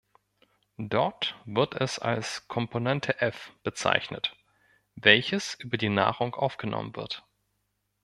Dort wird es als "Komponente F" bezeichnet, welches über die Nahrung aufgenommen wird.